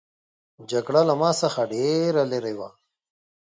جګړه له ما څخه ډېره لیري وه.